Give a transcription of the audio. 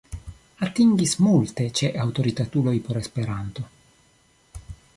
Atingis multe ĉe aŭtoritatuloj por Esperanto.